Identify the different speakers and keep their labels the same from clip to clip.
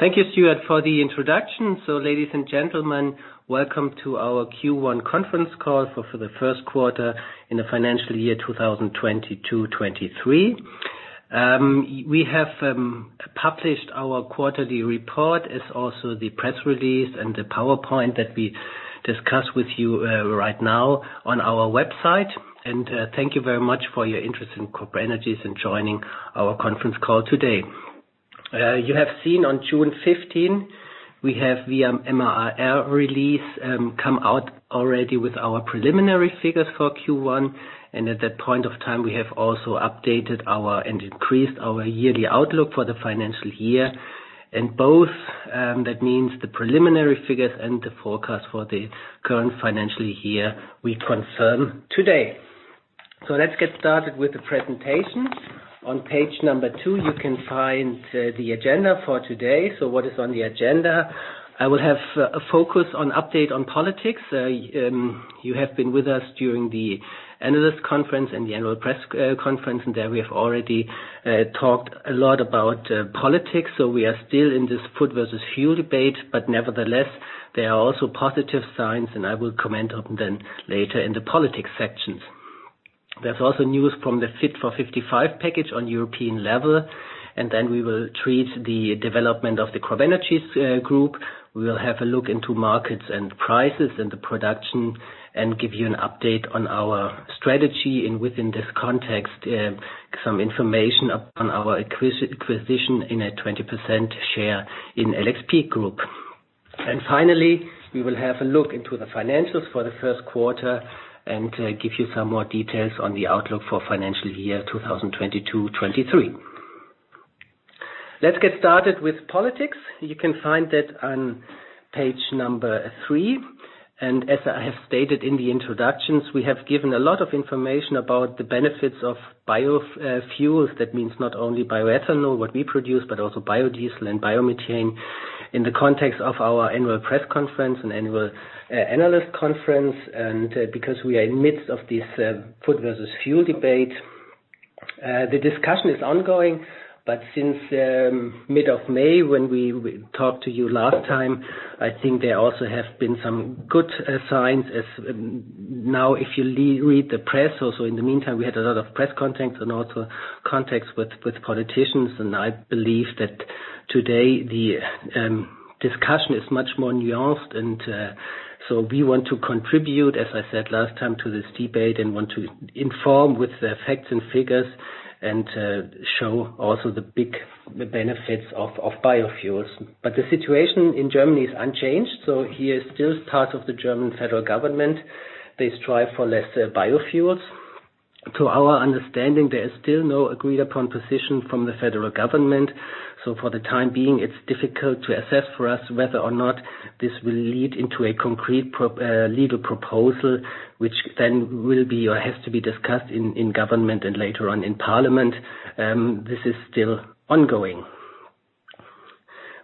Speaker 1: Thank you, Stuart, for the introduction. Ladies and gentlemen, welcome to our Q1 conference call for the first quarter in the financial year 2022/2023. We have published our quarterly report. It's also the press release and the PowerPoint that we discuss with you right now on our website. Thank you very much for your interest in CropEnergies and joining our conference call today. You have seen on June 15, we have via ad hoc release come out already with our preliminary figures for Q1. At that point of time, we have also updated and increased our yearly outlook for the financial year. Both, that means the preliminary figures and the forecast for the current financial year we confirm today. Let's get started with the presentation. On page number two, you can find the agenda for today. What is on the agenda? I will have a focus on update on politics. You have been with us during the analyst conference and the annual press conference, and there we have already talked a lot about politics. We are still in this food versus fuel debate, but nevertheless, there are also positive signs, and I will comment on them later in the politics sections. There's also news from the Fit for 55 package on European level, and then we will treat the development of the CropEnergies group. We will have a look into markets and prices and the production and give you an update on our strategy and within this context some information on our acquisition of a 20% share in LXP Group. Finally, we will have a look into the financials for the first quarter and give you some more details on the outlook for financial year 2022/2023. Let's get started with politics. You can find that on page number three. As I have stated in the introductions, we have given a lot of information about the benefits of biofuels. That means not only bioethanol, what we produce, but also biodiesel and biomethane in the context of our annual press conference and annual analyst conference. Because we are in the midst of this food versus fuel debate, the discussion is ongoing. Since mid of May when we talked to you last time, I think there also have been some good signs as of now if you read the press also. In the meantime, we had a lot of press contacts and also contacts with politicians. I believe that today the discussion is much more nuanced. We want to contribute, as I said last time, to this debate and want to inform with the facts and figures and show also the big benefits of biofuels. The situation in Germany is unchanged. Here is still part of the German federal government. They strive for less biofuels. To our understanding, there is still no agreed upon position from the federal government. For the time being, it's difficult to assess for us whether or not this will lead into a concrete legal proposal, which then will be or has to be discussed in government and later on in parliament. This is still ongoing.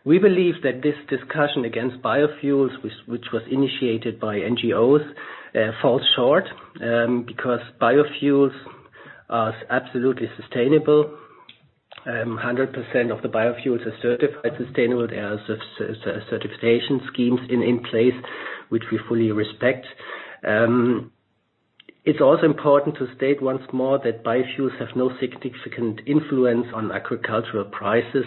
Speaker 1: We believe that this discussion against biofuels, which was initiated by NGOs, falls short, because biofuels are absolutely sustainable. 100% of the biofuels are certified sustainable. There are certification schemes in place which we fully respect. It's also important to state once more that biofuels have no significant influence on agricultural prices.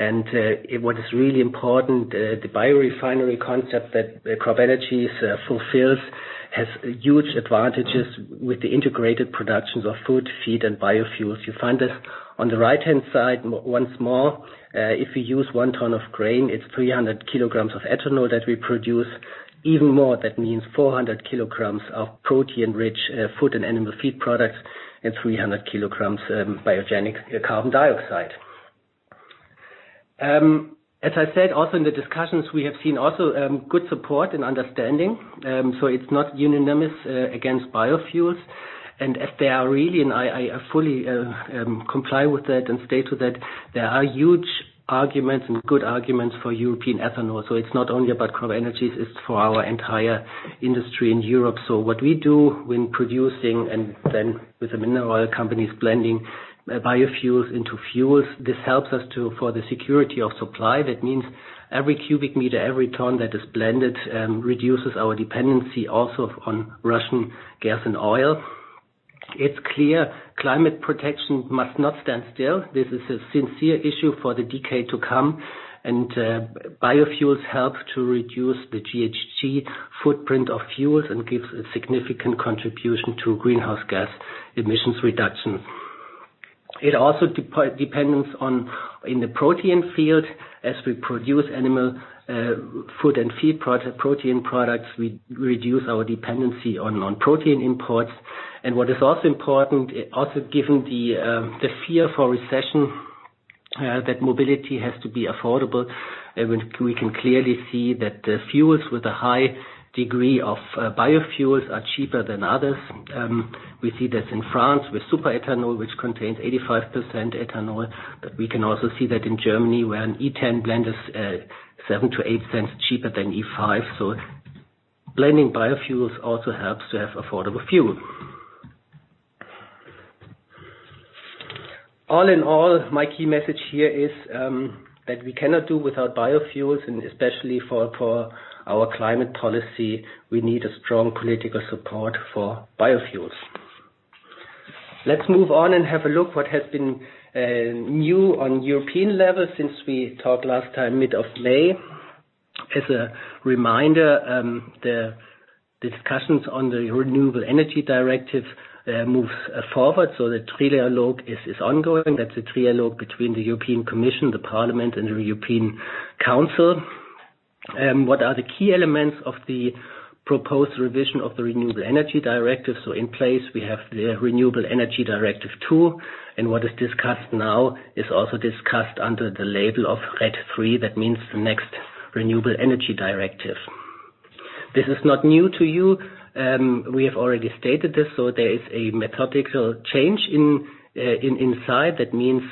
Speaker 1: What is really important, the biorefinery concept that CropEnergies fulfills has huge advantages with the integrated productions of food, feed, and biofuels. You find this on the right-hand side once more. If you use 1 ton of grain, it's 300 kg of ethanol that we produce. Even more, that means 400 kg of protein-rich food and animal feed products and 300 kg biogenic carbon dioxide. As I said, also in the discussions, we have seen also good support and understanding. It's not unanimous against biofuels. I fully comply with that and stick to that, there are huge arguments and good arguments for European ethanol. It's not only about CropEnergies, it's for our entire industry in Europe. What we do when producing and then with the mineral oil companies blending biofuels into fuels, this helps us for the security of supply. That means every cubic meter, every ton that is blended reduces our dependency also on Russian gas and oil. It's clear climate protection must not stand still. This is a serious issue for the decade to come. Biofuels help to reduce the GHG footprint of fuels and gives a significant contribution to greenhouse gas emissions reduction. It also depends on, in the protein field, as we produce animal, food and feed protein products, we reduce our dependency on protein imports. What is also important, also given the fear for recession, that mobility has to be affordable. We can clearly see that the fuels with a high degree of biofuels are cheaper than others. We see this in France with superéthanol, which contains 85% ethanol, but we can also see that in Germany, where an E10 blend is 0.07-0.08 cheaper than E5. Blending biofuels also helps to have affordable fuel. All in all, my key message here is that we cannot do without biofuels, and especially for our climate policy, we need a strong political support for biofuels. Let's move on and have a look what has been new on European level since we talked last time, mid of May. As a reminder, the discussions on the Renewable Energy Directive moves forward, so the trilogue is ongoing. That's a trilogue between the European Commission, the Parliament, and the European Council. What are the key elements of the proposed revision of the Renewable Energy Directive? In place we have the Renewable Energy Directive II, and what is discussed now is also discussed under the label of RED III. That means the next Renewable Energy Directive. This is not new to you, we have already stated this, so there is a methodological change in inside, that means,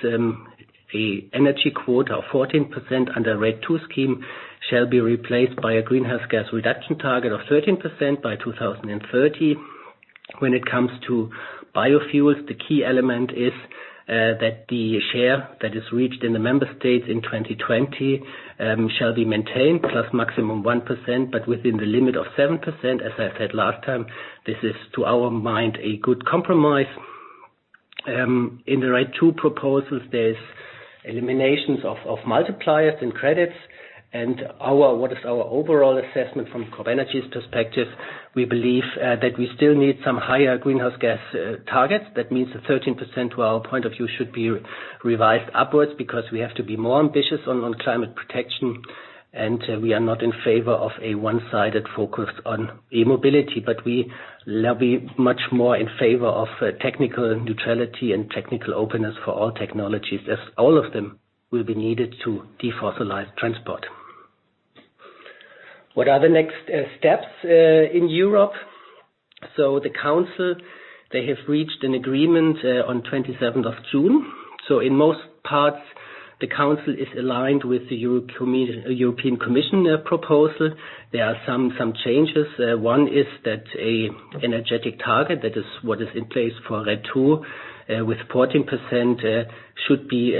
Speaker 1: the energy quota of 14% under RED II scheme shall be replaced by a greenhouse gas reduction target of 13% by 2030. When it comes to biofuels, the key element is, that the share that is reached in the member states in 2020, shall be maintained, plus maximum 1%, but within the limit of 7%. As I said last time, this is, to our mind, a good compromise. In the RED II proposals, there's elimination of multipliers and credits. What is our overall assessment from CropEnergies's perspective, we believe, that we still need some higher greenhouse gas targets. That means the 13%, to our point of view, should be revised upwards because we have to be more ambitious on climate protection, and we are not in favor of a one-sided focus on e-mobility. We love it much more in favor of technical neutrality and technical openness for all technologies, as all of them will be needed to defossilize transport. What are the next steps in Europe? The Council, they have reached an agreement on 27th of June. In most parts, the Council is aligned with the European Commission proposal. There are some changes. One is that an energy target, that is what is in place for RED II, with 14%, should be,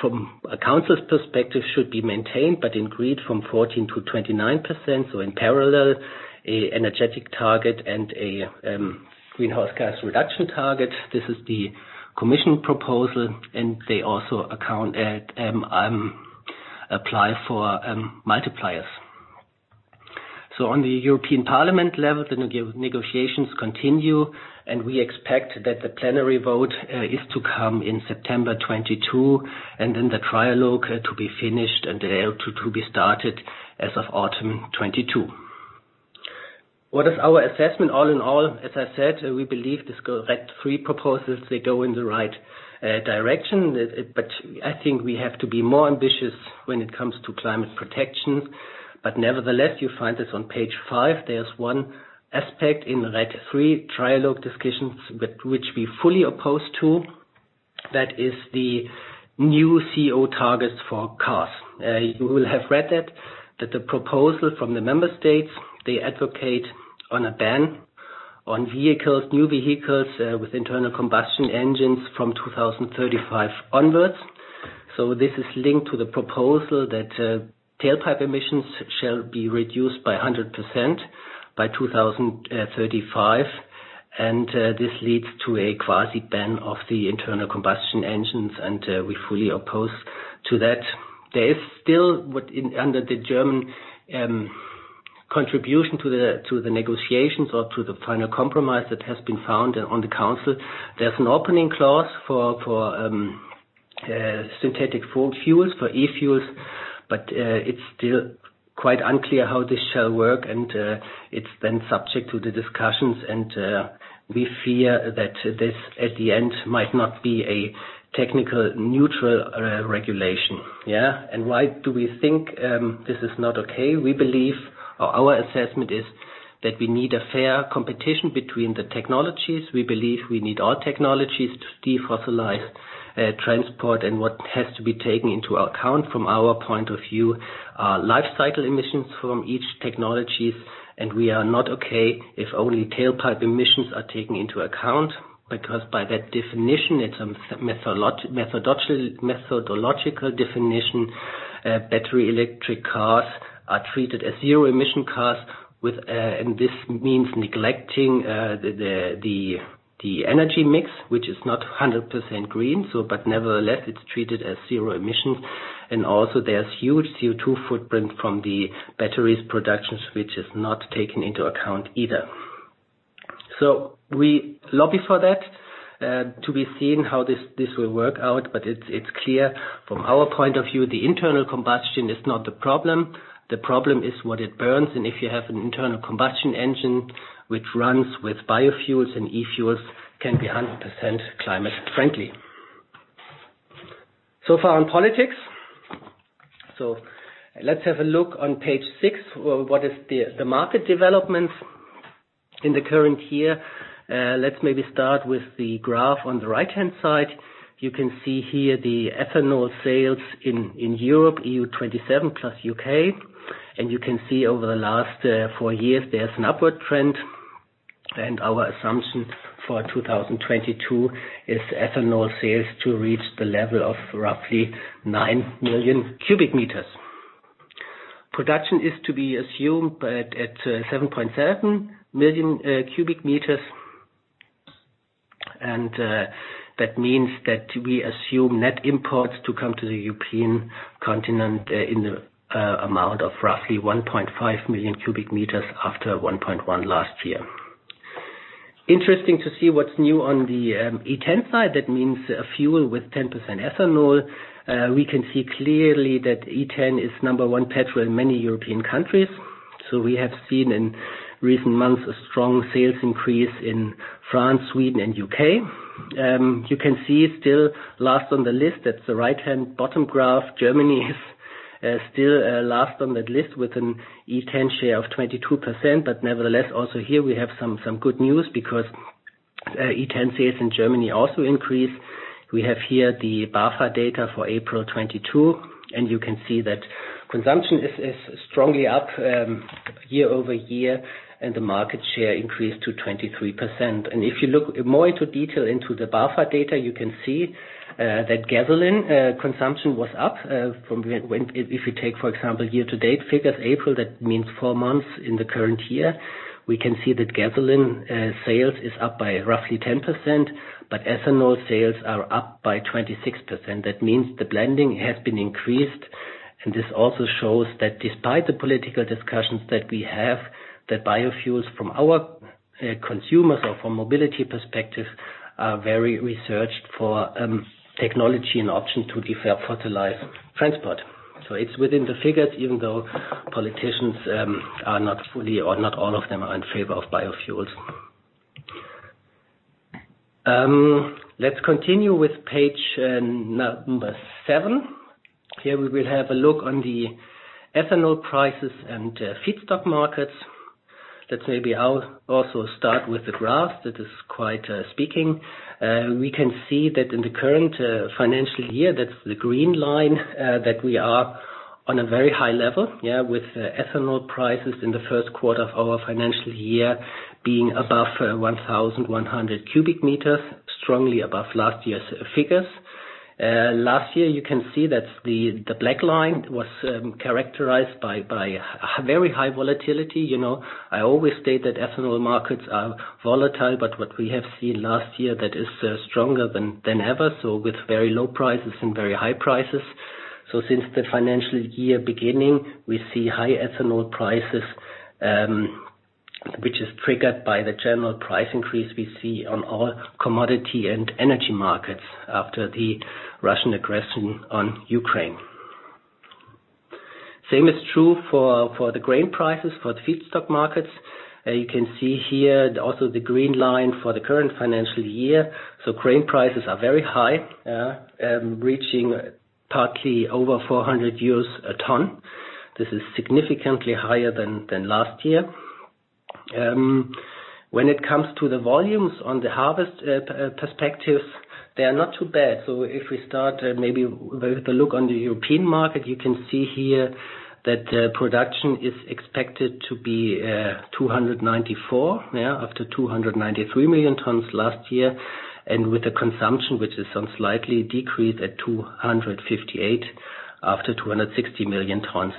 Speaker 1: from the European Council's perspective, maintained, but increased from 14%-29%. In parallel, an energy target and a greenhouse gas reduction target. This is the Commission proposal, and they also apply multipliers. On the European Parliament level, the negotiations continue, and we expect that the plenary vote is to come in September 2022, and then the trilogue to be started as of autumn 2022. What is our assessment all in all? As I said, we believe these RED III proposals, they go in the right direction. I think we have to be more ambitious when it comes to climate protection. Nevertheless, you find this on page five, there's one aspect in RED III trilogue discussions which we fully opposed to. That is the new CO2 targets for cars. You will have read that the proposal from the member states, they advocate on a ban on vehicles, new vehicles, with internal combustion engines from 2035 onwards. This is linked to the proposal that tailpipe emissions shall be reduced by 100% by 2035. This leads to a quasi ban of the internal combustion engines, and we fully oppose to that. Under the German contribution to the negotiations or to the final compromise that has been found on the council, there's an opening clause for synthetic fuels, for e-fuels, but it's still quite unclear how this shall work, and it's then subject to the discussions, and we fear that this, at the end, might not be a technology neutral regulation. Why do we think this is not okay? We believe, or our assessment is, that we need a fair competition between the technologies. We believe we need all technologies to defossilize transport. What has to be taken into account from our point of view are life cycle emissions from each technologies. We are not okay if only tailpipe emissions are taken into account, because by that definition, it's a methodological definition, battery electric cars are treated as zero-emission cars with. And this means neglecting the energy mix, which is not 100% green. But nevertheless, it's treated as zero emissions. Also there's huge CO2 footprint from the batteries productions, which is not taken into account either. We lobby for that, to be seen how this will work out, but it's clear from our point of view, the internal combustion is not the problem. The problem is what it burns. If you have an internal combustion engine which runs with biofuels and e-fuels, can be 100% climate friendly. Far on politics. Let's have a look on page six. What is the market development in the current year? Let's maybe start with the graph on the right-hand side. You can see here the ethanol sales in Europe, EU-27 plus U.K. You can see over the last four years, there's an upward trend. Our assumption for 2022 is ethanol sales to reach the level of roughly 9 million cubic meters. Production is to be assumed at 7.7 million cubic meters. That means that we assume net imports to come to the European continent in amount of roughly 1.5 million cubic meters after 1.1 million cubic meters last year. Interesting to see what's new on the E10 side. That means a fuel with 10% ethanol. We can see clearly that E10 is number one petrol in many European countries. We have seen in recent months a strong sales increase in France, Sweden and U.K. You can see still last on the list, that's the right-hand bottom graph. Germany is still last on that list with an E10 share of 22%. Nevertheless, also here we have some good news because E10 sales in Germany also increased. We have here the BAFA data for April 2022, and you can see that consumption is strongly up year-over-year, and the market share increased to 23%. If you look in more detail into the BAFA data, you can see that gasoline consumption was up if you take, for example, year-to-date figures, April, that means four months in the current year, we can see that gasoline sales is up by roughly 10%, but ethanol sales are up by 26%. That means the blending has been increased. This also shows that despite the political discussions that we have, biofuels for our consumers or from a mobility perspective are very researched for technology and option to develop sustainable transport. It's within the figures, even though politicians are not fully or not all of them are in favor of biofuels. Let's continue with page number seven. Here we will have a look on the ethanol prices and feedstock markets. Let's maybe I'll also start with the graph. That is quite speaking. We can see that in the current financial year, that's the green line that we are on a very high level, yeah, with ethanol prices in the first quarter of our financial year being above 1,100 cu m, strongly above last year's figures. Last year, you can see that's the black line was characterized by very high volatility. You know, I always state that ethanol markets are volatile, but what we have seen last year, that is, stronger than ever, so with very low prices and very high prices. Since the financial year beginning, we see high ethanol prices, which is triggered by the general price increase we see on all commodity and energy markets after the Russian aggression on Ukraine. Same is true for the grain prices, for the feedstock markets. You can see here also the green line for the current financial year. Grain prices are very high, reaching partly over 400 euros a ton. This is significantly higher than last year. When it comes to the volumes on the harvest perspective, they are not too bad. If we start maybe with a look on the European market, you can see here that production is expected to be 294 million tons, yeah, after 293 million tons last year, and with a consumption which is slightly decreased at 258 million tons after 260 million tons.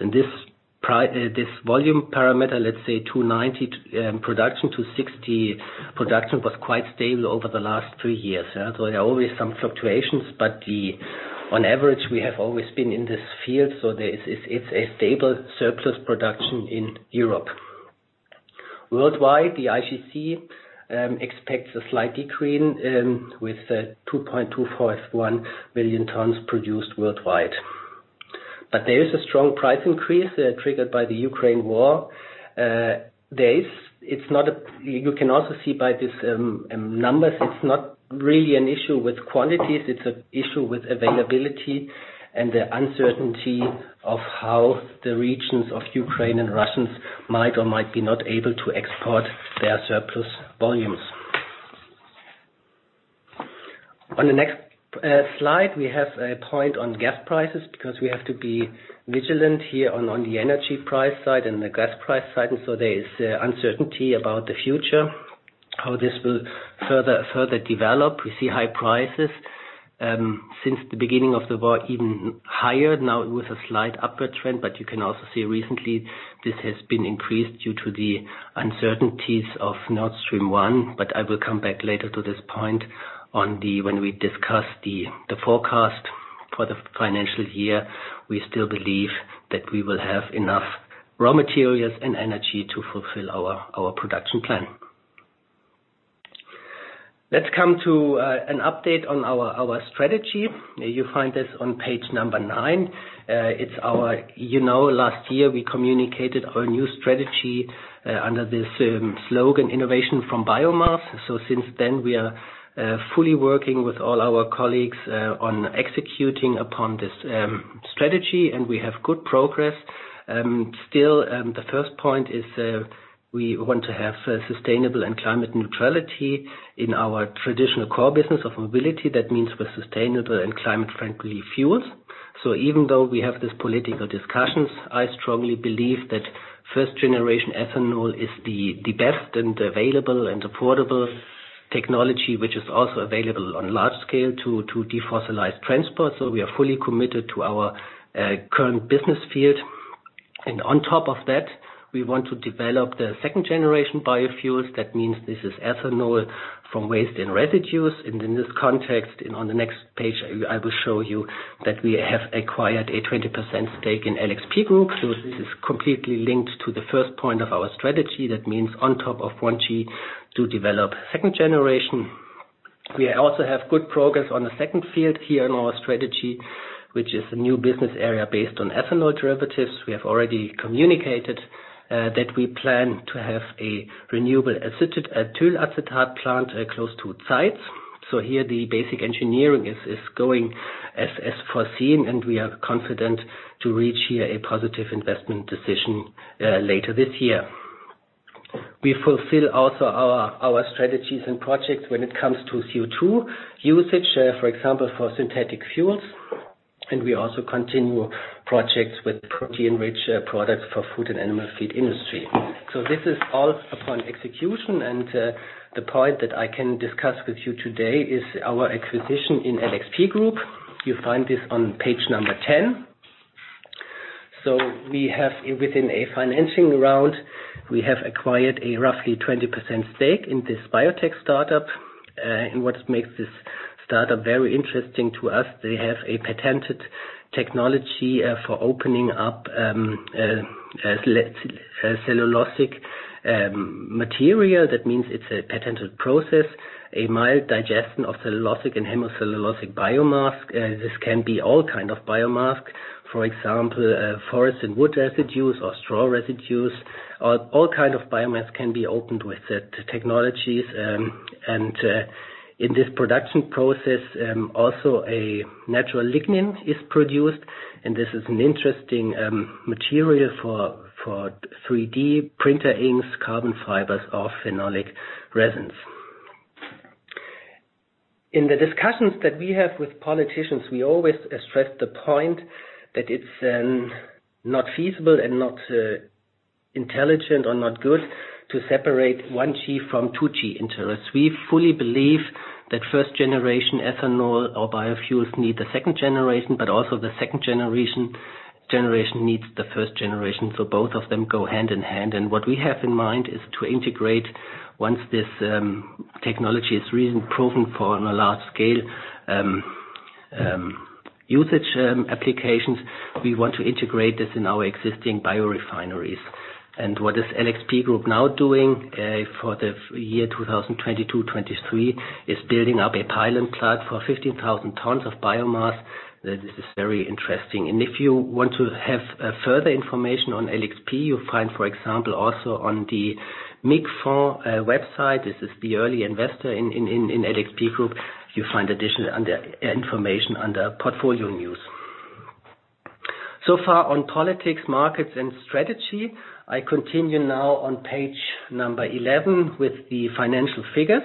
Speaker 1: This volume parameter, let's say 290 production, 260 production was quite stable over the last three years. There are always some fluctuations, but on average, we have always been in this field, so it's a stable surplus production in Europe. Worldwide, the IGC expects a slight decrease with 2.241 million tons produced worldwide. There is a strong price increase triggered by the Ukraine war. You can also see by this numbers, it's not really an issue with quantities, it's an issue with availability and the uncertainty of how the regions of Ukraine and Russia might or might not be able to export their surplus volumes. On the next slide, we have a point on gas prices because we have to be vigilant here on the energy price side and the gas price side. There is uncertainty about the future, how this will further develop. We see high prices since the beginning of the war, even higher now with a slight upward trend. You can also see recently this has been increased due to the uncertainties of Nord Stream 1. I will come back later to this point when we discuss the forecast for the financial year. We still believe that we will have enough raw materials and energy to fulfill our production plan. Let's come to an update on our strategy. You find this on page number nine. It's our. You know, last year we communicated our new strategy under this slogan, innovation from biomass. Since then, we are fully working with all our colleagues on executing upon this strategy, and we have good progress. The first point is, we want to have sustainable and climate neutrality in our traditional core business of mobility. That means with sustainable and climate-friendly fuels. Even though we have these political discussions, I strongly believe that first generation ethanol is the best and available and affordable technology, which is also available on large scale to defossilize transport. We are fully committed to our current business field. On top of that, we want to develop the second generation biofuels. That means this is ethanol from waste and residues. In this context, and on the next page, I will show you that we have acquired a 20% stake in LXP Group. This is completely linked to the first point of our strategy. That means on top of 1G to develop second generation. We also have good progress on the second field here in our strategy, which is a new business area based on ethanol derivatives. We have already communicated that we plan to have a renewable ethyl acetate plant close to sites. Here the basic engineering is going as foreseen, and we are confident to reach here a positive investment decision later this year. We fulfill also our strategies and projects when it comes to CO2 usage, for example, for synthetic fuels. We also continue projects with protein-rich products for food and animal feed industry. This is all upon execution, and the point that I can discuss with you today is our acquisition in LXP Group. You find this on page number 10. We have within a financing round, we have acquired a roughly 20% stake in this biotech startup. What makes this startup very interesting to us, they have a patented technology for opening up cellulosic material. That means it's a patented process, a mild digestion of cellulosic and hemicellulosic biomass. This can be all kind of biomass. For example, forest and wood residues or straw residues. All kind of biomass can be opened with the technologies. In this production process, also a natural lignin is produced. This is an interesting material for 3D printer inks, carbon fibers, or phenolic resins. In the discussions that we have with politicians, we always stress the point that it's not feasible and not intelligent or not good to separate 1G from 2G interests. We fully believe that first generation ethanol or biofuels need the second generation, but also the second generation needs the first generation. Both of them go hand in hand. What we have in mind is to integrate once this technology is proven on a large scale usage applications. We want to integrate this in our existing biorefineries. What is LXP Group now doing for the year 2022-2023 is building up a pilot plant for 15,000 tons of biomass. This is very interesting. If you want to have further information on LXP, you'll find, for example, also on the MIG Fonds website. This is the early investor in LXP Group. You'll find additional information under portfolio news. So far on politics, markets and strategy. I continue now on page number 11 with the financial figures.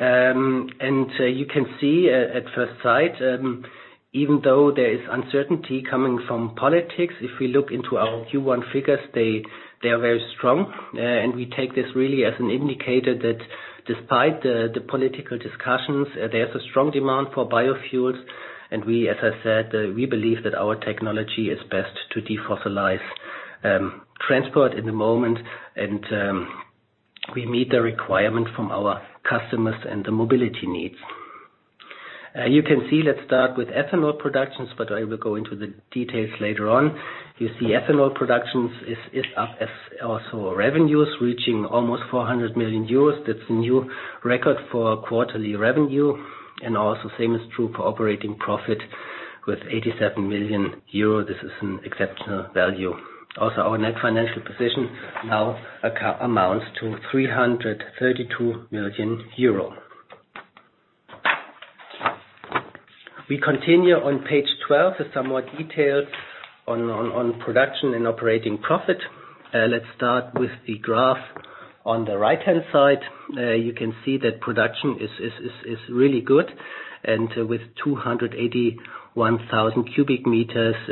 Speaker 1: You can see at first sight, even though there is uncertainty coming from politics, if we look into our Q1 figures, they are very strong. We take this really as an indicator that despite the political discussions, there's a strong demand for biofuels. We, as I said, we believe that our technology is best to defossilize transport in the moment. We meet the requirement from our customers and the mobility needs. You can see, let's start with ethanol productions, but I will go into the details later on. You see ethanol productions is up as also revenues reaching almost 400 million euros. That's a new record for quarterly revenue. Also same is true for operating profit with 87 million euro, this is an exceptional value. Our net financial position now amounts to EUR 332 million. We continue on page 12 with some details on production and operating profit. Let's start with the graph on the right-hand side. You can see that production is really good. With 281,000 cu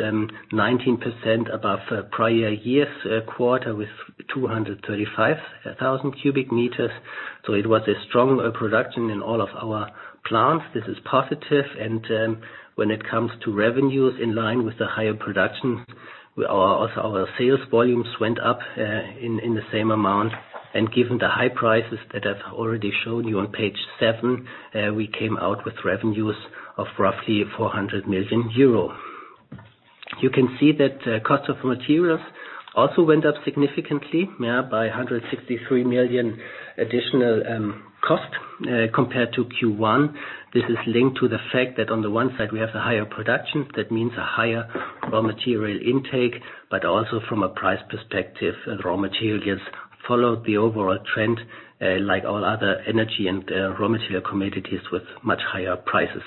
Speaker 1: m, 19% above prior year's quarter with 235,000 cu m. It was a strong production in all of our plants. This is positive. When it comes to revenues in line with the higher production, our sales volumes went up in the same amount. Given the high prices that I've already shown you on page seven, we came out with revenues of roughly 400 million euro. You can see that, cost of materials also went up significantly, by 163 million additional cost, compared to Q1. This is linked to the fact that on the one side, we have a higher production. That means a higher raw material intake, but also from a price perspective, raw materials followed the overall trend, like all other energy and, raw material commodities with much higher prices.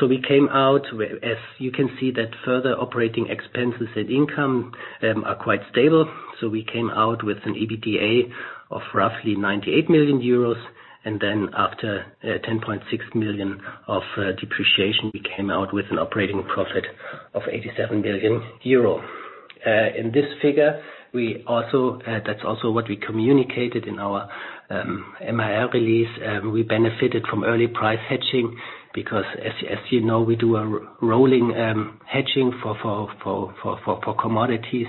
Speaker 1: We came out, as you can see that further operating expenses and income, are quite stable. We came out with an EBITDA of roughly 98 million euros. Then after 10.6 million of depreciation, we came out with an operating profit of 87 million euro. In this figure, we also, that's also what we communicated in our ad hoc release. We benefited from early price hedging because as you know, we do a rolling hedging for commodities,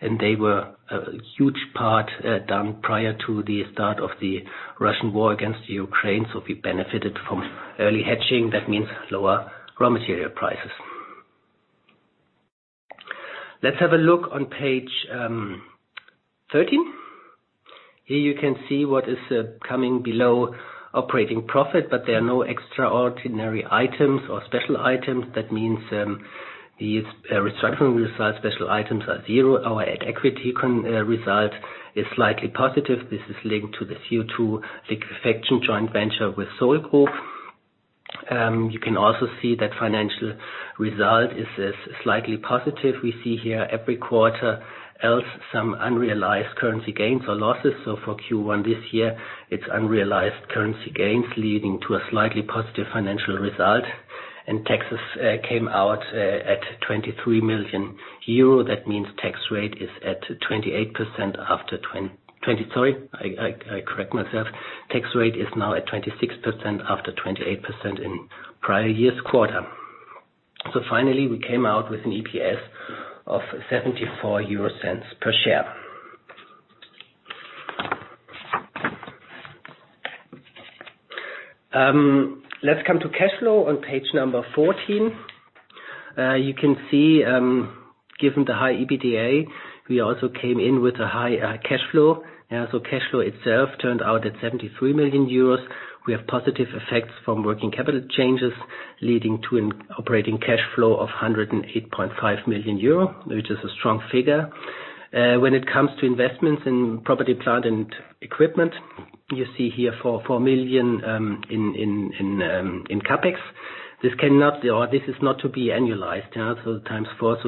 Speaker 1: and they were a huge part done prior to the start of the Russian war against Ukraine. We benefited from early hedging. That means lower raw material prices. Let's have a look on page 13. Here you can see what is coming below operating profit, but there are no extraordinary items or special items. That means these restructuring results, special items are zero. Our equity result is slightly positive. This is linked to the CO2 liquefaction joint venture with Solvay. You can also see that financial result is slightly positive. We see here every quarter else some unrealized currency gains or losses. For Q1 this year, it's unrealized currency gains leading to a slightly positive financial result. Taxes came out at 23 million euro. That means tax rate is at 28%. Sorry, I correct myself. Tax rate is now at 26% after 28% in prior year's quarter. Finally, we came out with an EPS of 0.74 per share. Let's come to cash flow on page number 14. You can see, given the high EBITDA, we also came in with a high cash flow. Cash flow itself turned out at 73 million euros. We have positive effects from working capital changes, leading to an operating cash flow of 108.5 million euro, which is a strong figure. When it comes to investments in property, plant, and equipment, you see here 4 million in CapEx. This cannot or this is not to be annualized. Times four.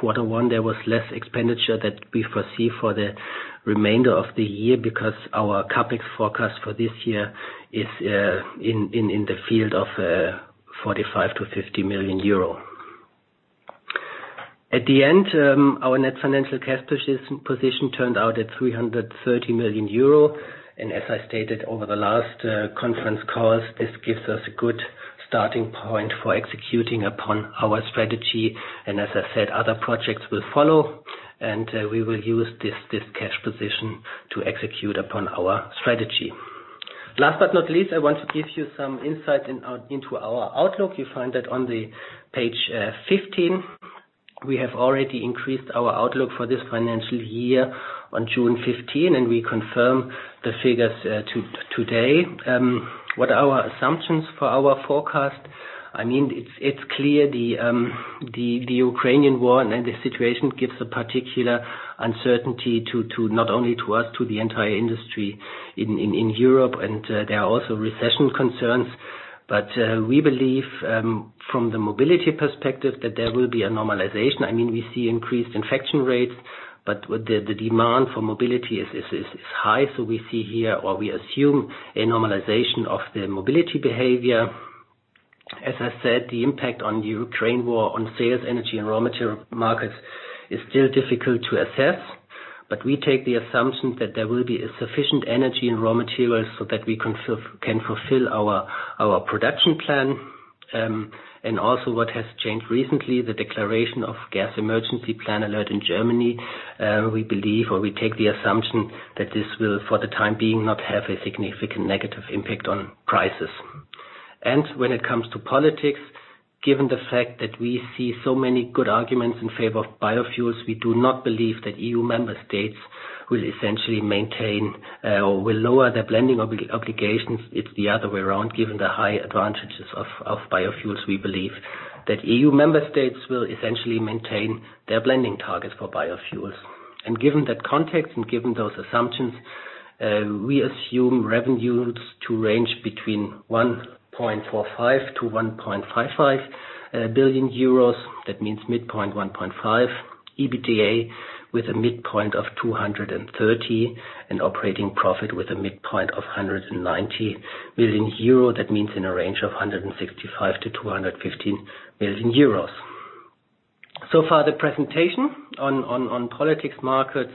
Speaker 1: Quarter one, there was less expenditure that we foresee for the remainder of the year because our CapEx forecast for this year is in the field of 45 million-50 million euro. At the end, our net financial cash position turned out at 330 million euro. As I stated over the last conference calls, this gives us a good starting point for executing upon our strategy. As I said, other projects will follow, and we will use this cash position to execute upon our strategy. Last but not least, I want to give you some insight into our outlook. You find that on the page 15. We have already increased our outlook for this financial year on June 15, and we confirm the figures today. What are our assumptions for our forecast? I mean, it's clear the Ukrainian war and the situation gives a particular uncertainty to not only us, to the entire industry in Europe. There are also recession concerns. We believe from the mobility perspective that there will be a normalization. I mean, we see increased infection rates, but the demand for mobility is high. We see here, or we assume a normalization of the mobility behavior. As I said, the impact of the Ukraine war on sales, energy and raw material markets is still difficult to assess. We make the assumption that there will be a sufficient energy and raw materials so that we can fulfill our production plan. What has changed recently, the declaration of gas emergency plan alert in Germany. We make the assumption that this will, for the time being, not have a significant negative impact on prices. When it comes to politics, given the fact that we see so many good arguments in favor of biofuels, we do not believe that E.U. member states will lower their blending obligations. It's the other way around, given the high advantages of biofuels, we believe that E.U. member states will essentially maintain their blending targets for biofuels. Given that context and given those assumptions, we assume revenues to range between 1.45 billion-1.55 billion euros. That means midpoint 1.5. EBITDA with a midpoint of 230 and operating profit with a midpoint of 190 million euro. That means in a range of 165 million-215 million euros. Far the presentation on politics, markets,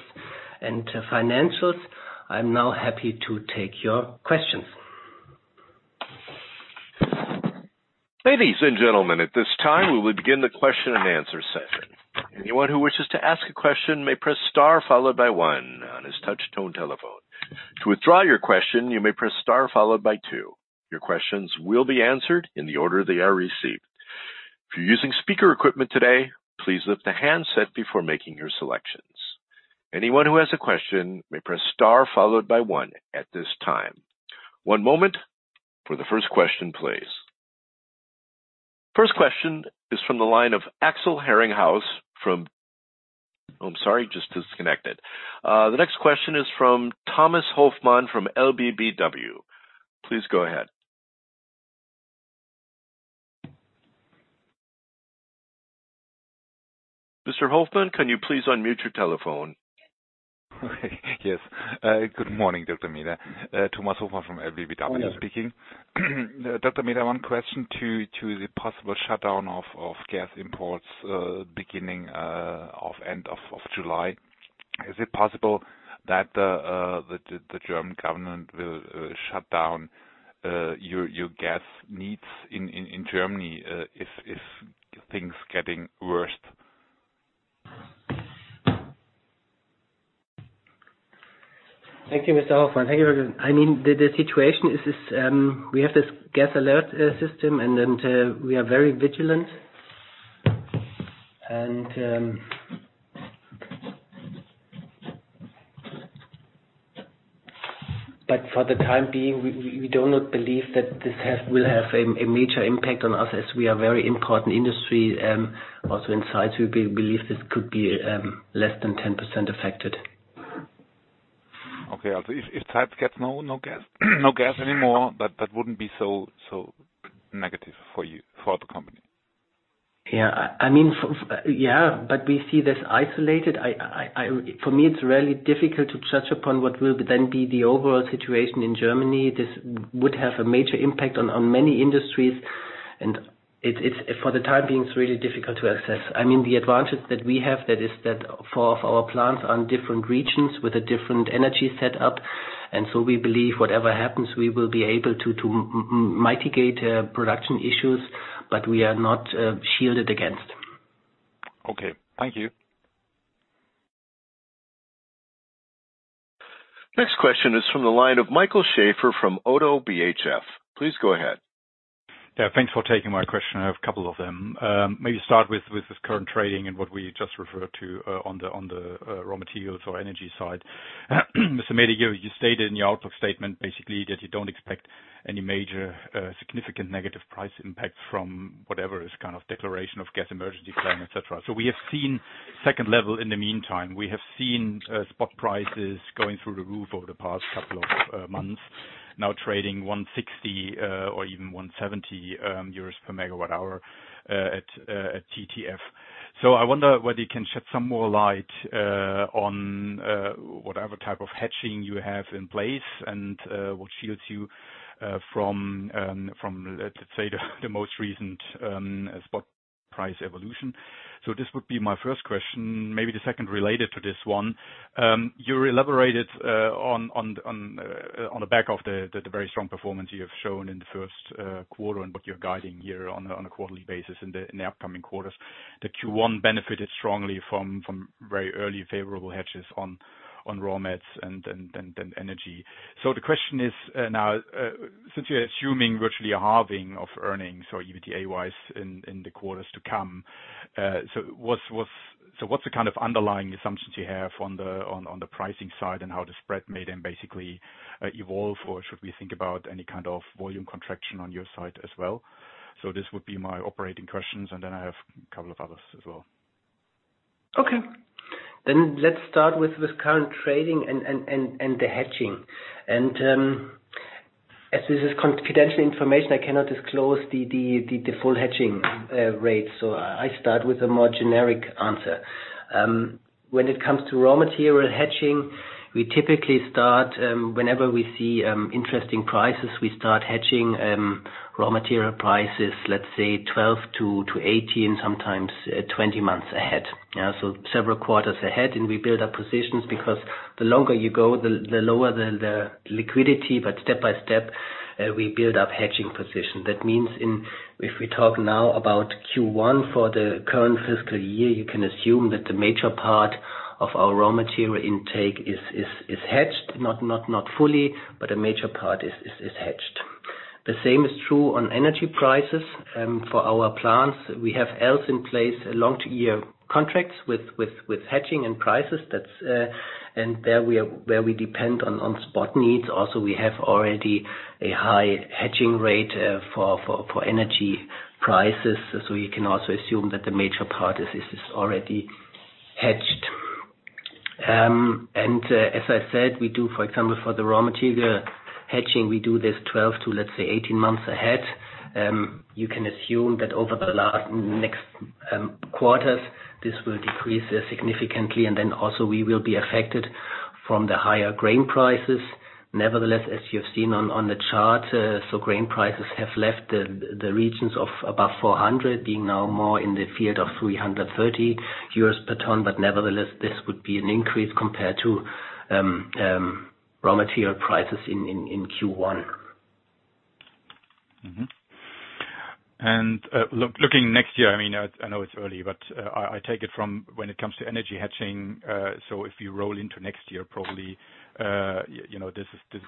Speaker 1: and financials. I'm now happy to take your questions.
Speaker 2: Ladies and gentlemen, at this time, we will begin the question and answer session. Anyone who wishes to ask a question may press star followed by one on his touch tone telephone. To withdraw your question, you may press star followed by two. Your questions will be answered in the order they are received. If you're using speaker equipment today, please lift the handset before making your selections. Anyone who has a question may press star followed by one at this time. One moment for the first question, please. First question is from the line of Axel Herlinghaus from. Oh, I'm sorry, just disconnected. The next question is from Thomas Hofmann from LBBW. Please go ahead. Mr. Hofmann, can you please unmute your telephone?
Speaker 3: Yes. Good morning, Dr. Meeder. Thomas Hofmann from LBBW speaking. Dr. Meeder, one question to the possible shutdown of gas imports beginning of end of July. Is it possible that the German government will shut down your gas needs in Germany if things getting worse?
Speaker 1: Thank you, Mr. Hofmann. Thank you. I mean, the situation is we have this gas alert system, and then we are very vigilant. For the time being, we do not believe that this will have a major impact on us, as we are very important industry, also in Zeitz, we believe this could be less than 10% affected.
Speaker 3: If Zeitz gets no gas anymore, that wouldn't be so negative for you, for the company?
Speaker 1: Yeah. I mean, yeah, but we see this isolated. For me, it's really difficult to judge upon what will then be the overall situation in Germany. This would have a major impact on many industries. For the time being, it's really difficult to assess. I mean, the advantage that we have that is that four of our plants are in different regions with a different energy setup. We believe whatever happens, we will be able to mitigate production issues, but we are not shielded against.
Speaker 3: Okay. Thank you.
Speaker 2: Next question is from the line of Michael Schäfer from ODDO BHF. Please go ahead.
Speaker 4: Yeah. Thanks for taking my question. I have a couple of them. Maybe start with the current trading and what we just referred to on the raw materials or energy side. Mr. Meeder, you stated in your outlook statement basically that you don't expect any major significant negative price impact from whatever kind of declaration of gas emergency plan, et cetera. We have seen second level in the meantime. We have seen spot prices going through the roof over the past couple of months, now trading 160 or even 170 euros per megawatt hour at TTF. I wonder whether you can shed some more light on whatever type of hedging you have in place and what shields you from, let's say, the most recent spot price evolution. This would be my first question, maybe the second related to this one. You elaborated on the back of the very strong performance you have shown in the first quarter and what you're guiding here on a quarterly basis in the upcoming quarters. The Q1 benefited strongly from very early favorable hedges on raw materials and energy. The question is now, since you're assuming virtually a halving of earnings or EBITDA wise in the quarters to come, so what's... What's the kind of underlying assumptions you have on the pricing side and how the spread may then basically evolve, or should we think about any kind of volume contraction on your side as well? This would be my operating questions, and then I have a couple of others as well.
Speaker 1: Okay. Let's start with this current trading and the hedging. As this is confidential information, I cannot disclose the full hedging rate. I start with a more generic answer. When it comes to raw material hedging, we typically start whenever we see interesting prices. We start hedging raw material prices, let's say 12-18, sometimes 20 months ahead. Yeah. Several quarters ahead, we build up positions because the longer you go, the lower the liquidity, but step by step, we build up hedging position. That means, if we talk now about Q1 for the current fiscal year, you can assume that the major part of our raw material intake is hedged, not fully, but a major part is hedged. The same is true on energy prices for our plants. We have hedges in place long-term yearly contracts with hedging and prices. That's where we depend on spot prices. Also, we have already a high hedging rate for energy prices. You can also assume that the major part is already hedged. As I said, we do, for example, for the raw material hedging, this 12-18 months ahead. You can assume that over the next quarters, this will decrease significantly, and then also we will be affected by the higher grain prices. Nevertheless, as you have seen on the chart, grain prices have left the regions of above 400, being now more in the field of 330 euros per ton. Nevertheless, this would be an increase compared to raw material prices in Q1.
Speaker 4: Looking next year, I mean, I know it's early, but I take it from when it comes to energy hedging, so if you roll into next year, probably, you know, this is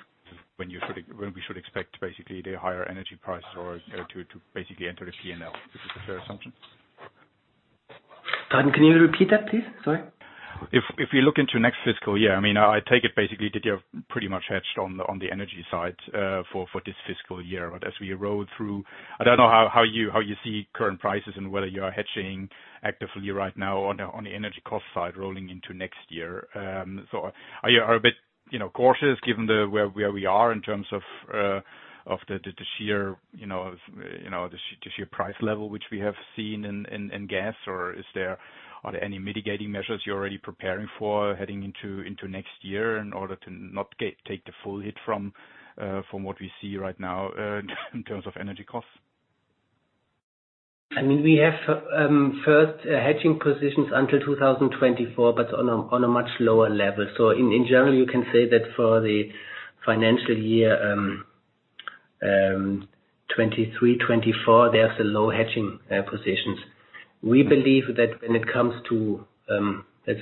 Speaker 4: when you should, when we should expect basically the higher energy prices or to basically enter the P&L. Is this a fair assumption?
Speaker 1: Pardon, can you repeat that, please? Sorry.
Speaker 4: If you look into next fiscal year, I mean, I take it basically that you're pretty much hedged on the energy side for this fiscal year. As we roll through, I don't know how you see current prices and whether you are hedging actively right now on the energy cost side rolling into next year. Are you a bit, you know, cautious given the where we are in terms of the sheer, you know, the sheer price level which we have seen in gas, or are there any mitigating measures you're already preparing for heading into next year in order to not take the full hit from what we see right now in terms of energy costs?
Speaker 1: I mean, we have first hedging positions until 2024, but on a much lower level. In general, you can say that for the financial year 2023-2024, there's low hedging positions. We believe that when it comes to, let's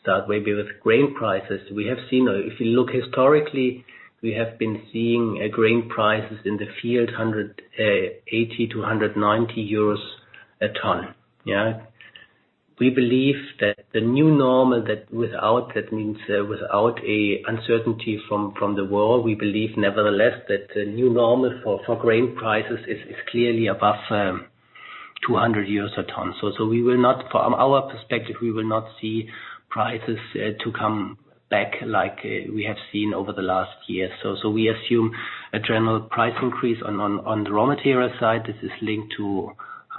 Speaker 1: start maybe with grain prices. We have seen or if you look historically, we have been seeing grain prices in the 180-190 euros a ton. Yeah. We believe that the new normal without, that means without an uncertainty from the world, we believe nevertheless that the new normal for grain prices is clearly above 200 euros a ton. From our perspective, we will not see prices to come back like we have seen over the last year. We assume a general price increase on the raw material side. This is linked to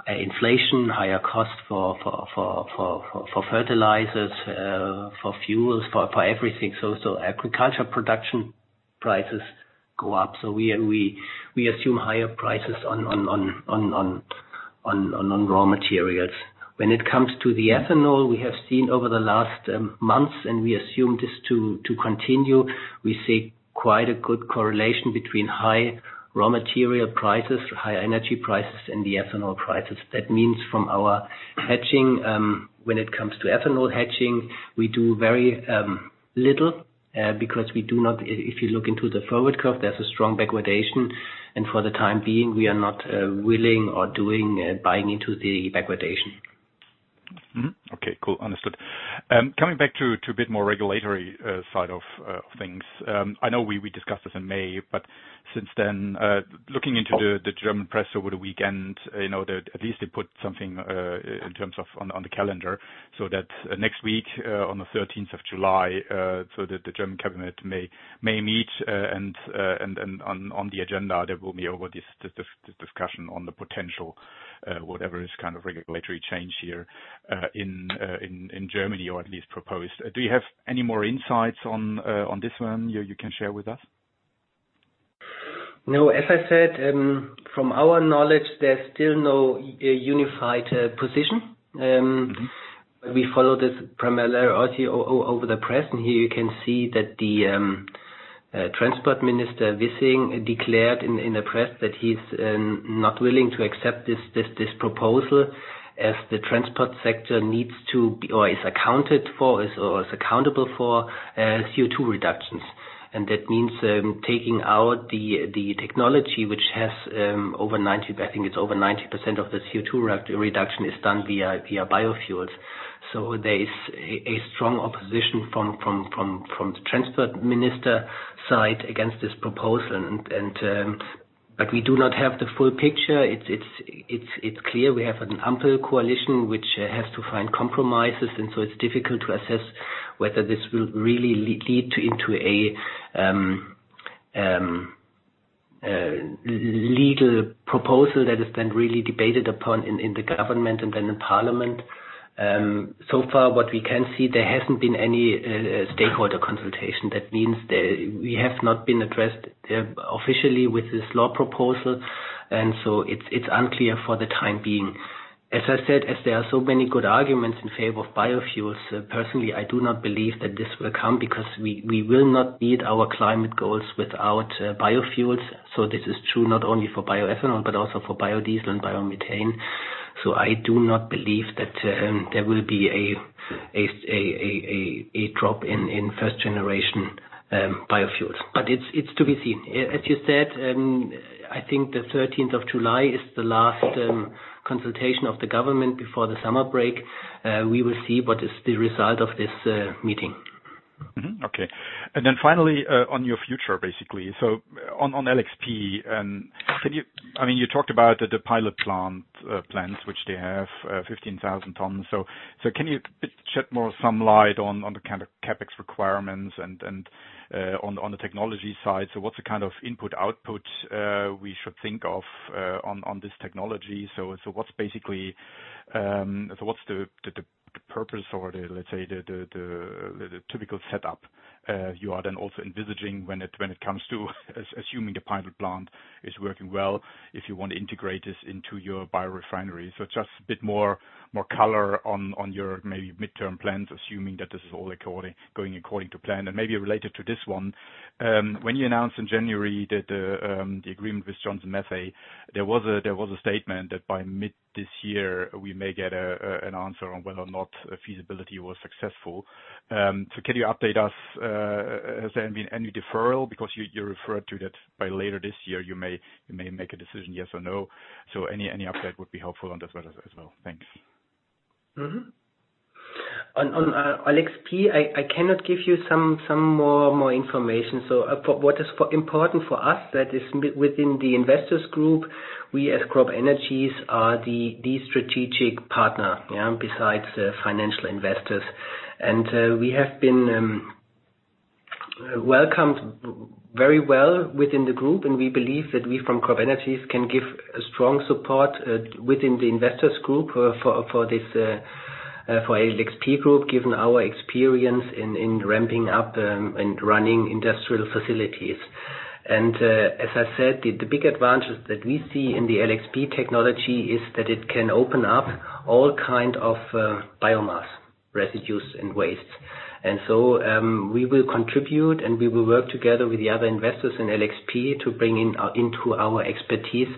Speaker 1: inflation, higher cost for fertilizers, for fuels, for everything. Agricultural production prices go up. We assume higher prices on raw materials. When it comes to the ethanol, we have seen over the last months, and we assume this to continue. We see quite a good correlation between high raw material prices, high energy prices, and the ethanol prices. That means from our hedging, when it comes to ethanol hedging, we do very little, because we do not if you look into the forward curve, there's a strong backwardation. For the time being, we are not willing or doing buying into the backwardation.
Speaker 4: Mm-hmm. Okay, cool. Understood. Coming back to a bit more regulatory side of things. I know we discussed this in May, but since then, looking into the German press over the weekend, you know, that at least they put something in terms of on the calendar, so that next week on the thirteenth of July, so that the German cabinet may meet, and on the agenda, there will be on this discussion on the potential whatever is kind of regulatory change here in Germany, or at least proposed. Do you have any more insights on this one you can share with us?
Speaker 1: No. As I said, from our knowledge, there's still no unified position.
Speaker 4: Mm-hmm.
Speaker 1: We follow this primarily also over the press, and here you can see that the Transport Minister, Wissing, declared in the press that he's not willing to accept this proposal as the transport sector needs to, or is accounted for, or is accountable for, CO2 reductions. That means taking out the technology which has over 90%, I think it's over 90% of the CO2 reduction is done via biofuels. There is a strong opposition from the transport minister side against this proposal. We do not have the full picture. It's clear we have an Ampelcoalition which has to find compromises, and it's difficult to assess whether this will really lead to a legal proposal that is then really debated upon in the government and then in parliament. So far, what we can see, there hasn't been any stakeholder consultation. That means that we have not been addressed officially with this law proposal, and it's unclear for the time being. As I said, there are so many good arguments in favor of biofuels, personally, I do not believe that this will come because we will not meet our climate goals without biofuels. This is true not only for bioethanol, but also for biodiesel and biomethane. I do not believe that there will be a drop in first-generation biofuels. It's to be seen. As you said, I think the thirteenth of July is the last consultation of the government before the summer break. We will see what is the result of this meeting.
Speaker 4: Okay. Finally on your future, basically. On LXP, can you—I mean, you talked about the pilot plant, plants, which they have 15,000 tons. Can you shed a bit more light on the kind of CapEx requirements and on the technology side? What's the kind of input/output we should think of on this technology? What's basically the purpose or, let's say, the typical setup you are then also envisaging when it comes to assuming the pilot plant is working well, if you want to integrate this into your biorefinery. Just a bit more color on your maybe midterm plans, assuming that this is all going according to plan. Maybe related to this one, when you announced in January that the agreement with Johnson Matthey, there was a statement that by mid this year, we may get an answer on whether or not feasibility was successful. So can you update us? Has there been any deferral? Because you referred to that by later this year, you may make a decision, yes or no. So any update would be helpful on that as well. Thanks.
Speaker 1: On LXP, I cannot give you some more information. For what is important for us, that is within the investors group. We as CropEnergies are the strategic partner, yeah, besides the financial investors. We have been welcomed very well within the group, and we believe that we from CropEnergies can give a strong support within the investors group for this for LXP Group, given our experience in ramping up and running industrial facilities. As I said, the big advantage that we see in the LXP technology is that it can open up all kind of biomass, residues and waste. We will contribute, and we will work together with the other investors in LXP to bring into our expertise.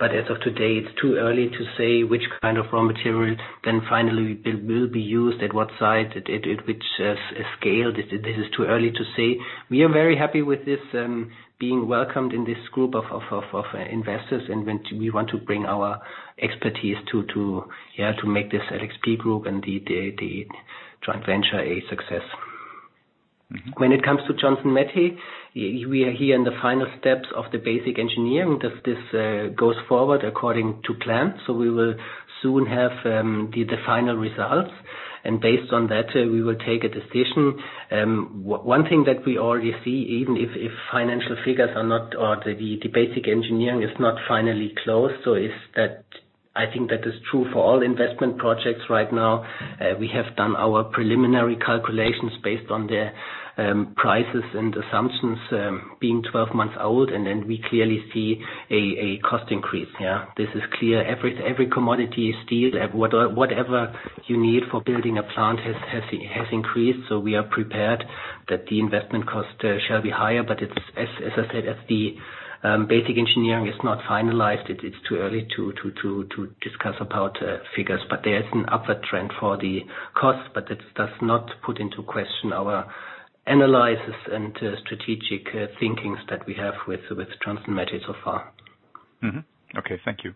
Speaker 1: As of today, it's too early to say which kind of raw material then finally will be used, at what site, at which scale. This is too early to say. We are very happy with this being welcomed in this group of investors, and we want to bring our expertise to make this LXP Group and the joint venture a success. When it comes to Johnson Matthey, we are here in the final steps of the basic engineering. This goes forward according to plan, so we will soon have the final results. Based on that, we will take a decision. One thing that we already see, even if financial figures are not, or the basic engineering is not finally closed, so is that I think that is true for all investment projects right now. We have done our preliminary calculations based on the prices and assumptions being 12 months old, and then we clearly see a cost increase, yeah. This is clear. Every commodity, steel, every whatever you need for building a plant has increased. We are prepared that the investment cost shall be higher. It's, as I said, as the basic engineering is not finalized, it's too early to discuss about figures. There is an upward trend for the cost, but that does not put into question our analysis and strategic thinkings that we have with Johnson Matthey so far.
Speaker 4: Okay. Thank you.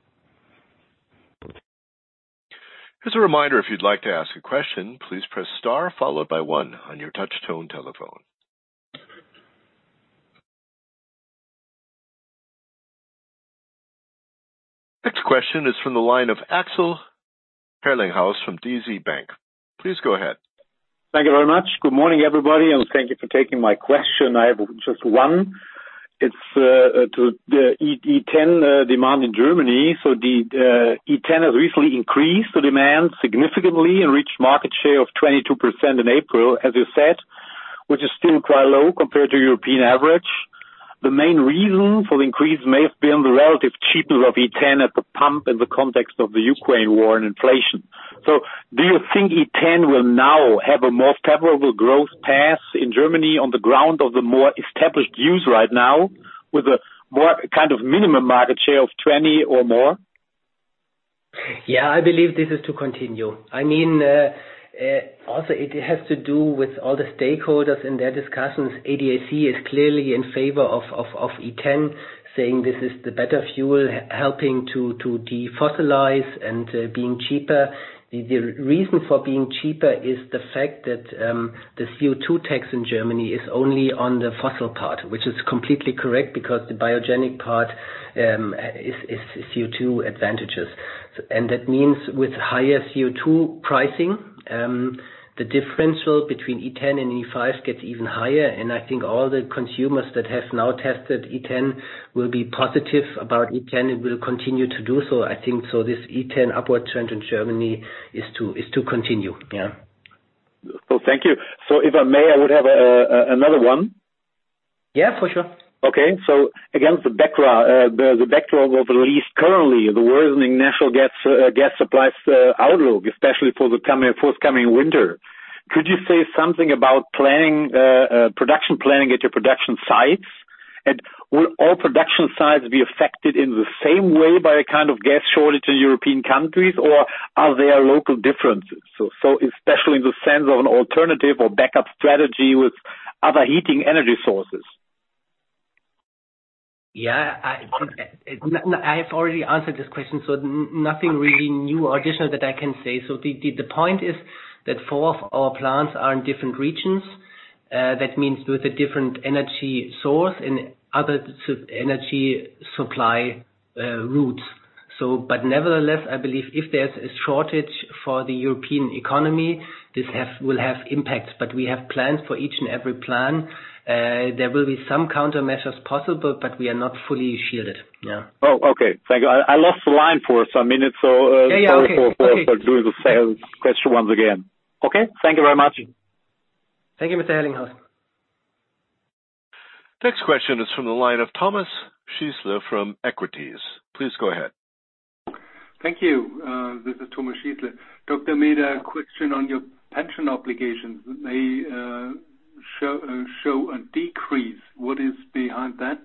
Speaker 2: As a reminder, if you'd like to ask a question, please press star followed by one on your touch tone telephone. Next question is from the line of Axel Herlinghaus from DZ Bank. Please go ahead.
Speaker 5: Thank you very much. Good morning, everybody, and thank you for taking my question. I have just one. It's to the E10 demand in Germany. The E10 has recently increased the demand significantly and reached market share of 22% in April, as you said, which is still quite low compared to European average. The main reason for the increase may have been the relative cheapness of E10 at the pump in the context of the Ukraine war and inflation. Do you think E10 will now have a more favorable growth path in Germany on the ground of the more established use right now with a more kind of minimum market share of 20 or more?
Speaker 1: Yeah, I believe this is to continue. I mean, also it has to do with all the stakeholders in their discussions. ADAC is clearly in favor of E10, saying this is the better fuel helping to defossilize and being cheaper. The reason for being cheaper is the fact that the CO2 tax in Germany is only on the fossil part, which is completely correct because the biogenic part is CO2 advantageous. That means with higher CO2 pricing, the differential between E10 and E5 gets even higher. I think all the consumers that have now tested E10 will be positive about E10 and will continue to do so. I think so this E10 upward trend in Germany is to continue, yeah.
Speaker 5: Thank you. If I may, I would have another one.
Speaker 1: Yeah, for sure.
Speaker 5: Okay. Against the background of at least currently the worsening natural gas supplies outlook, especially for the forthcoming winter. Could you say something about production planning at your production Zeitz? And will all production Zeitz be affected in the same way by a kind of gas shortage in European countries, or are there local differences? Especially in the sense of an alternative or backup strategy with other heating energy sources.
Speaker 1: I've already answered this question, so nothing really new or additional that I can say. The point is that four of our plants are in different regions. That means with a different energy source and other energy supply routes. Nevertheless, I believe if there's a shortage for the European economy, this will have impacts. We have plans for each and every plant. There will be some countermeasures possible, but we are not fully shielded. Yeah.
Speaker 5: Oh, okay. Thank you. I lost the line for some minutes, so.
Speaker 1: Yeah, yeah. Okay.
Speaker 5: Sorry for doing the same question once again. Okay, thank you very much.
Speaker 1: Thank you, Mr. Herlinghaus.
Speaker 2: Next question is from the line of Thomas Schießle from EQUI.TS. Please go ahead.
Speaker 6: Thank you. This is Thomas Schießle. Dr. Meeder, a question on your pension obligations. They show a decrease. What is behind that?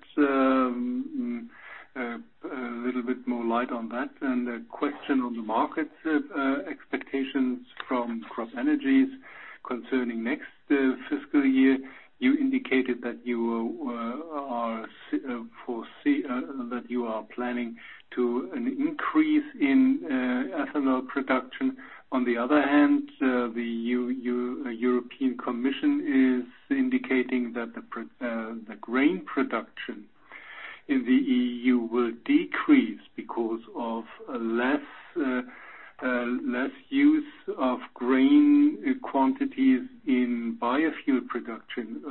Speaker 6: A little bit more light on that. A question on the markets, expectations from CropEnergies concerning next fiscal year. You indicated that you foresee that you are planning to an increase in ethanol production. On the other hand, the European Commission is indicating that the grain production in the E.U. will decrease because of less use of grain quantities in biofuel production.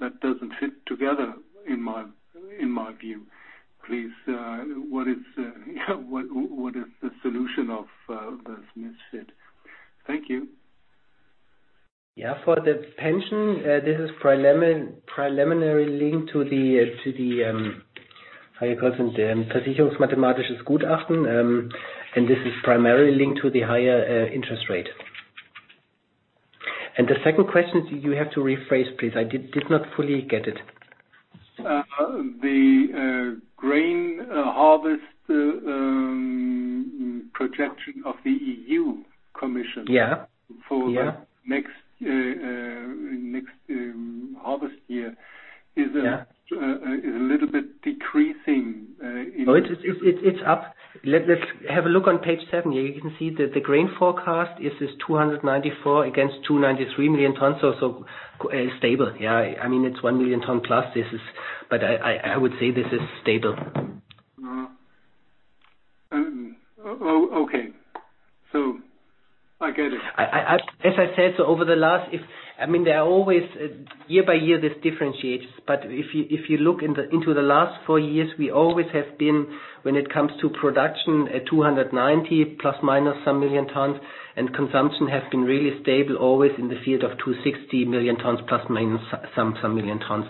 Speaker 6: That doesn't fit together in my view. Please, what is the solution of this misfit? Thank you.
Speaker 1: Yeah. For the pension, this is primarily linked to the higher interest rate. The second question, you have to rephrase, please. I did not fully get it.
Speaker 6: The grain harvest projection of the E.U. Commission.
Speaker 1: Yeah.
Speaker 6: For the next harvest year is a little bit decreasing in-
Speaker 1: No, it's up. Let's have a look on page seven. You can see that the grain forecast is 294 against 293 million tons, so stable. Yeah. I mean, it's 1 million ton plus. This is. I would say this is stable.
Speaker 6: Oh. Okay. I get it.
Speaker 1: As I said, over the last, I mean, there are always year by year, this differentiates. If you look into the last four years, we always have been, when it comes to production, at 290 ± some million tons, and consumption has been really stable, always in the field of 260 million tons ± some million tons.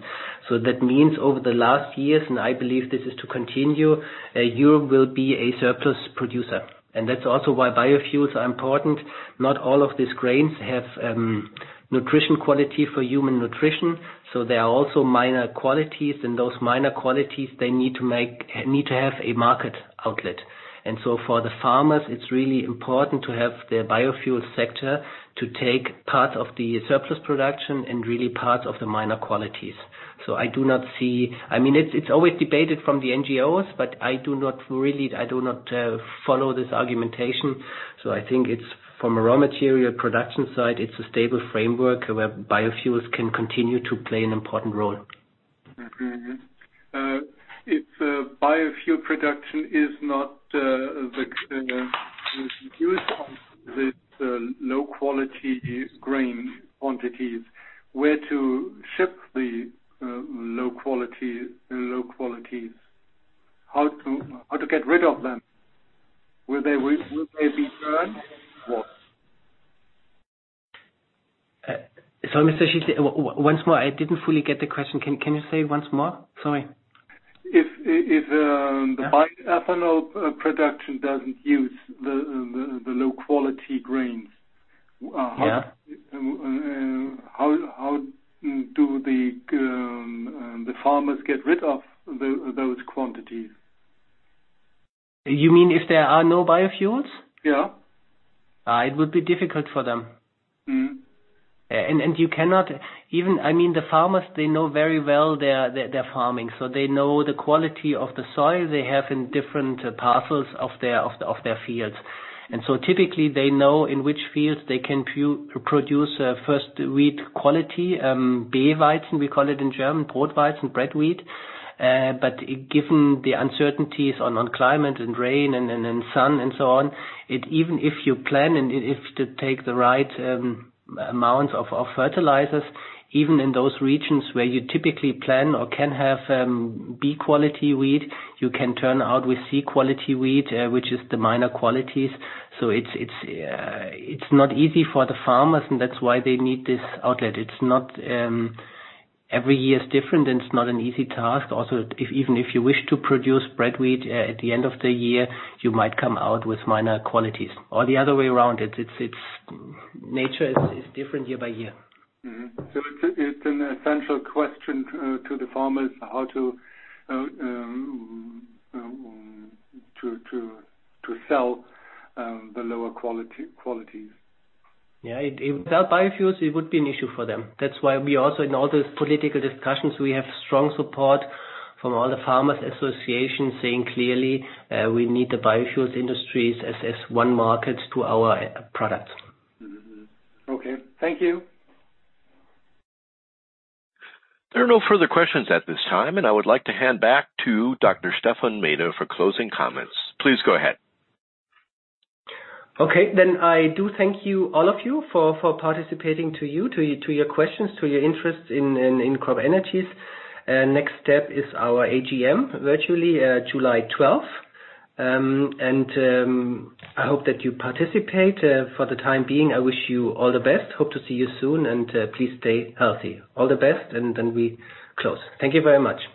Speaker 1: That means over the last years, and I believe this is to continue. Europe will be a surplus producer. That's also why biofuels are important. Not all of these grains have nutritional quality for human nutrition, so there are also minor qualities, and those minor qualities, they need to have a market outlet. For the farmers, it's really important to have the biofuel sector to take part of the surplus production and really part of the minor qualities. I do not see. I mean, it's always debated from the NGOs, but I do not really follow this argumentation. I think it's from a raw material production side, it's a stable framework where biofuels can continue to play an important role.
Speaker 6: If biofuel production is not used on this low quality grain quantities, where to ship the low quality quantities? How to get rid of them? Will they be burned? What?
Speaker 1: Sorry, Thomas. Once more, I didn't fully get the question. Can you say it once more? Sorry.
Speaker 6: If the bioethanol production doesn't use the low quality grains.
Speaker 1: Yeah.
Speaker 6: How do the farmers get rid of those quantities?
Speaker 1: You mean if there are no biofuels?
Speaker 6: Yeah.
Speaker 1: It would be difficult for them.
Speaker 6: Mm-hmm.
Speaker 1: Even, I mean, the farmers, they know very well their farming, so they know the quality of the soil they have in different parcels of their fields. Typically, they know in which fields they can produce first wheat quality, B-Weizen, we call it in German, Brotweizen, bread wheat. But given the uncertainties on climate and rain and sun and so on, even if you plan and if to take the right amounts of fertilizers, even in those regions where you typically plan or can have B quality wheat, you can turn out with C quality wheat, which is the minor qualities. It's not easy for the farmers, and that's why they need this outlet. It's not every year is different, and it's not an easy task. Also, even if you wish to produce bread wheat at the end of the year, you might come out with minor qualities or the other way around. It's nature is different year by year.
Speaker 6: It's an essential question to the farmers how to sell the lower qualities?
Speaker 1: Yeah. Without biofuels, it would be an issue for them. That's why we also in all those political discussions, we have strong support from all the farmers associations saying clearly, we need the biofuels industries as one market to our products.
Speaker 6: Mm-hmm. Okay. Thank you.
Speaker 2: There are no further questions at this time, and I would like to hand back to Dr. Stephan Meeder for closing comments. Please go ahead.
Speaker 1: Okay. I do thank you, all of you, for participating, for your questions, for your interest in CropEnergies. Next step is our AGM, virtually, July 12th. I hope that you participate. For the time being, I wish you all the best. Hope to see you soon, and please stay healthy. All the best, and then we close. Thank you very much.